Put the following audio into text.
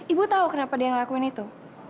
ibu tahu kenapa dia ngelakuin itu